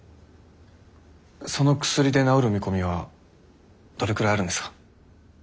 その薬で治る見込みはどれくらいあるんですか？